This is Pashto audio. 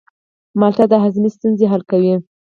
مالټه د هاضمې ستونزې حل کوي.